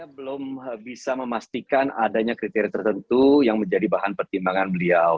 saya belum bisa memastikan adanya kriteria tertentu yang menjadi bahan pertimbangan beliau